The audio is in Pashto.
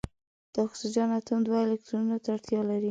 د اکسیجن اتوم دوه الکترونونو ته اړتیا لري.